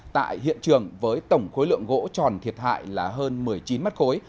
tại hiện trường với tổng khối lượng gỗ tròn thiệt hại là hơn một mươi chín mét khối